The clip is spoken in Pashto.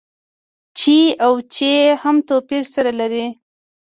چې او چي هم توپير سره لري.